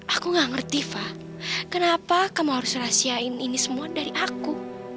aku gak ngerti fa kenapa kamu harus rahasiain ini semua dari aku